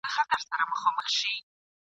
ویل یې شپې به دي د مصر له زندانه نه ځي !.